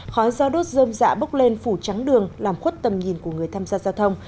khói do đốt dâm dạ bốc lên phủ trắng đường làm khuất tầm nhìn của người tham gia giao thông